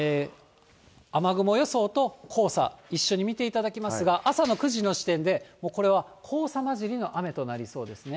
雨雲予想と黄砂、一緒に見ていただきますが、朝の９時の時点で、これは黄砂交じりの雨となりそうですね。